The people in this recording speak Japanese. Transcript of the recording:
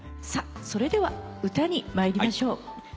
さあそれでは歌に参りましょう。